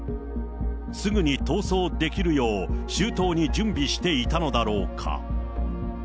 すぐに逃走できるよう、周到に準備していたのだろうか。